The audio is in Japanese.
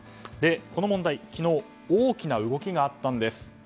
この問題、昨日大きな動きがあったんです。